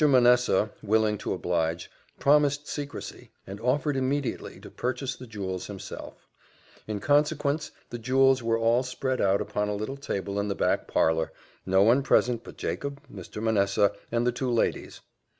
Manessa, willing to oblige, promised secresy, and offered immediately to purchase the jewels himself; in consequence, the jewels were all spread out upon a little table in the back parlour no one present but Jacob, Mr. Manessa, and the two ladies.